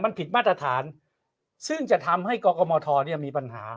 มันผิดมาตรฐานซึ่งจะทำให้กรกมธเนี่ยมีปัญหา